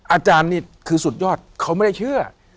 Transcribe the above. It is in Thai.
อาจารย์นี่คือสุดยอดเขาไม่ได้เชื่อ